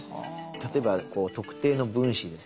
例えば特定の分子ですね。